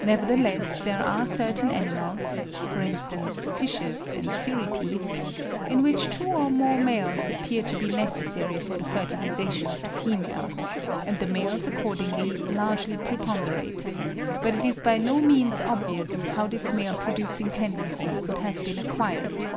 Nevertheless, there are certain animals (for instance, fishes and cirripedes) in which two or more males appear to be necessary for the fertilisation of the female; and the males accordingly largely preponderate, but it is by no means obvious how this male producing tendency could have been acquired.